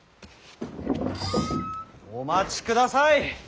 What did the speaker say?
お待ちください！